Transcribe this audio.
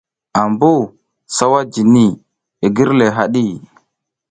Ambuh sawa jini, i gir le haɗi.